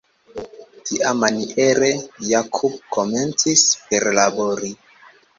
Tiamaniere Jakub komencis perlabori.